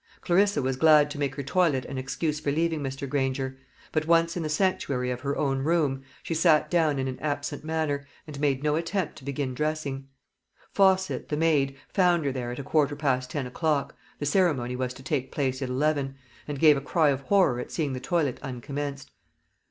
Clarissa was glad to make her toilet an excuse for leaving Mr. Granger; but once in the sanctuary of her own room, she sat down in an absent manner, and made no attempt to begin dressing. Fosset, the maid, found her there at a quarter past ten o'clock the ceremony was to take place at eleven and gave a cry of horror at seeing the toilet uncommenced.